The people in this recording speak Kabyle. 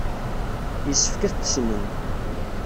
Yessefk ad t-tessnem.